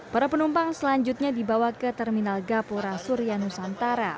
para penumpang selanjutnya dibawa ke terminal gapura surya nusantara